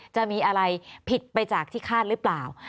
จะมีอะไรผิดไปจากที่คาดหรือเปล่า